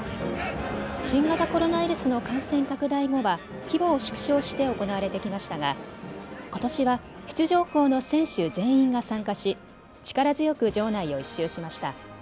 新型コロナウイルスの感染拡大後は規模を縮小して行われてきましたがことしは出場校の選手全員が参加し力強く場内を１周しました。